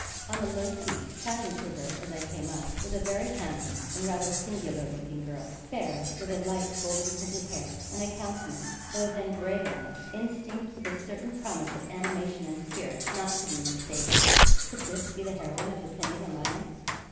On a low seat, chatting to her as I came up, was a very handsome and rather singular looking girl, fair, with a light golden tinted hair; and a countenance, though then grave enough, instinct with a certain promise of animation and spirit not to be mistaken. Could this be the heroine of the pending alliance?